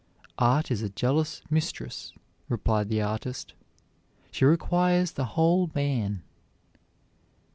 "Art is a jealous mistress," replied the artist; "she requires the whole man."